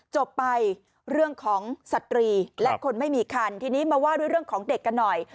จบไปเรื่องของสตรีและคนไม่มีคันทีนี้มาว่าด้วยเรื่องของเด็กกันหน่อย